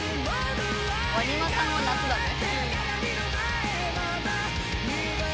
ＷＡＮＩＭＡさんは夏だね。